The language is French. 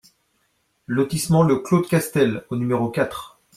Lotissement Le Clos de Castel au numéro quatre